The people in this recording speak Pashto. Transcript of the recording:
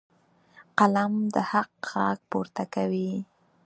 قلم د حق غږ پورته کوي.